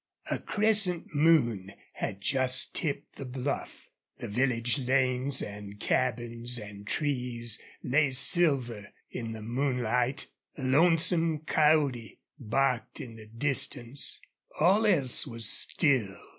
A crescent moon had just tipped the bluff. The village lanes and cabins and trees lay silver in the moon light. A lonesome coyote barked in the distance. All else was still.